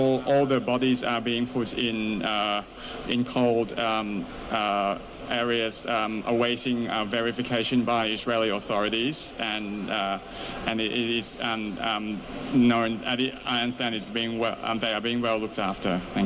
และผมรู้สึกว่าพวกมันอยู่ในสถานการณ์หลักฐานต่าง